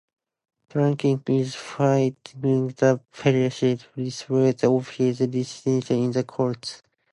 Tarakinikini is fighting the President's refusal of his resignation in the courts.